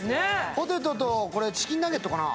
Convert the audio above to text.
ポテトとこれチキンナゲットかな？